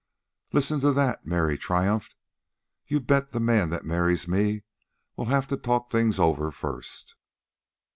"Listen to that," Mary triumphed. "You bet the man that marries me'll have to talk things over first."